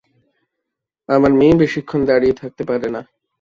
আমার মেয়ে বেশিক্ষণ দাঁড়িয়ে থাকতে পারে না।